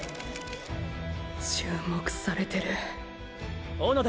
注目されてる小野田！